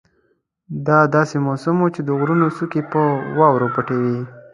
دا داسې موسم وو چې د غرونو څوکې په واورو پټې وې.